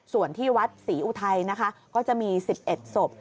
ส่วนที่วัดศรีอุทัยนะคะก็จะมี๑๑ศพ